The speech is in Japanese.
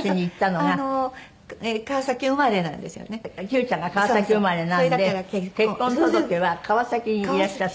九ちゃんが川崎生まれなんで結婚届は川崎にいらっしゃった。